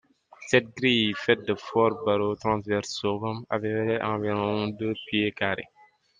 Cette grille, faite de forts barreaux transversaux, avait environ deux pieds carrés.